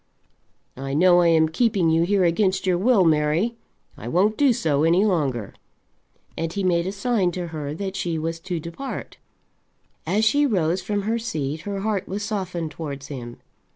I know I am keeping you here against your will, Mary. I won't do so any longer." And he made a sign to her that she was to depart. As she rose from her seat her heart was softened towards him.